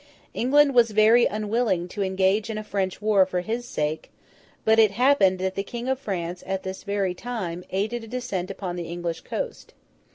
England was very unwilling to engage in a French war for his sake; but it happened that the King of France, at this very time, aided a descent upon the English coast.